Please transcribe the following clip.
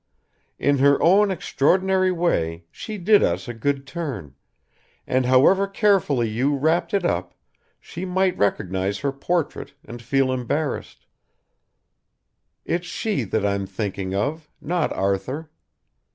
In her own extraordinary way she did us a good turn, and however carefully you wrapped it up she might recognise her portrait and feel embarrassed. It's she that I'm thinking of, not Arthur.